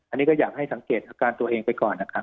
อันนี้ก็อยากให้สังเกตอาการตัวเองไปก่อนนะครับ